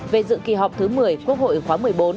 về dự kỳ họp thứ một mươi quốc hội khóa một mươi bốn